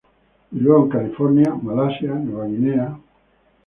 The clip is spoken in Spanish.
Y luego en California, Malasia, Nueva Guinea.